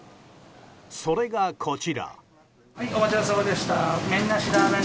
それが、こちら。